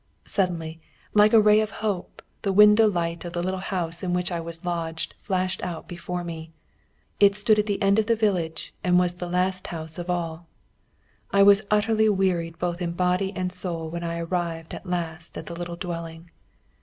Suddenly, like a ray of hope, the window light of the little house in which I was lodging flashed out before me. It stood at the end of the village, and was the last house of all. I was utterly wearied both in body and soul when I arrived at last at the little dwelling.